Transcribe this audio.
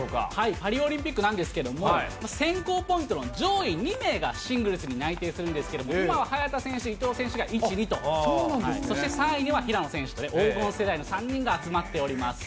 パリオリンピックなんですけども、選考ポイントの上位２名がシングルスに内定するんですけども、今は、早田選手、伊藤選手が１、２と、そして３位には平野選手と、黄金世代の３人が集まっております。